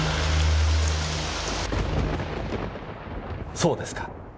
そうですか！